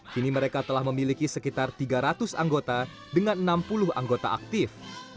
kini mereka telah memiliki sekitar tiga ratus anggota dengan enam puluh anggota aktif